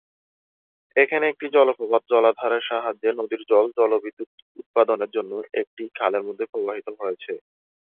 এখানে একটি জলপ্রপাত জলাধারের সাহায্যে নদীর জল জলবিদ্যুৎ উৎপাদনের জন্য একটি খালের মধ্যে প্রবাহিত হয়েছে।